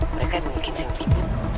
mereka yang bikin singkir